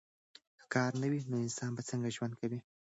که کار نه وي نو انسان به څنګه ژوند کوي؟